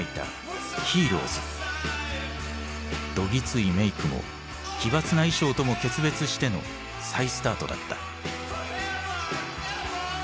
どぎついメークも奇抜な衣装とも決別しての再スタートだった。